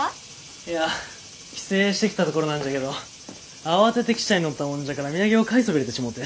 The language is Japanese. いや帰省してきたところなんじゃけど慌てて汽車に乗ったもんじゃから土産を買いそびれてしもうて。